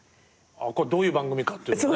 どういう番組かっていうのをね。